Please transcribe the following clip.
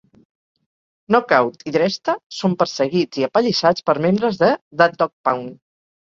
Knocc Out i Dresta són perseguits i apallissats per membres de Tha Dogg Pound.